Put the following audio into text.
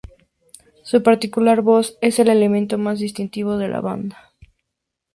Su particular voz es el elemento más distintivo de la banda.